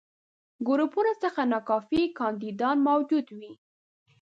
ګروپونو څخه ناکافي کانديدان موجود وي.